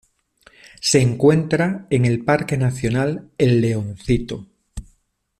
Se encuentra en el Parque Nacional El Leoncito.